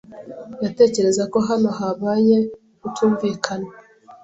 Ndatekereza ko hano habaye ukutumvikana.